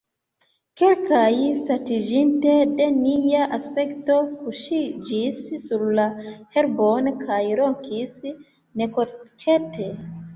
Kelkaj, satiĝinte de nia aspekto, kuŝiĝis sur la herbon kaj ronkis nekokete.